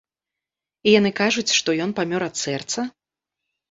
І яны кажуць, што ён памёр ад сэрца?